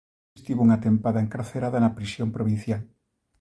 Estivo unha tempada encarcerada na prisión provincial.